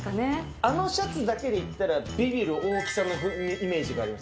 あのシャツだけでいったら、ビビる大木さんのイメージがあります。